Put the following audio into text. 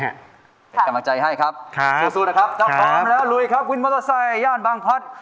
เป็นกำลังใจให้ครับสู้นะครับถ้าพร้อมแล้วลุยครับวินมอเตอร์ไซค์ย่านบางพลัด